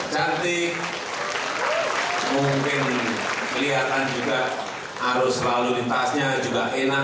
cantik mungkin kelihatan juga arus lalu lintasnya juga enak